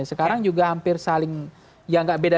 sekarang juga hampir saling ya nggak beda